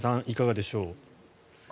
いかがでしょう。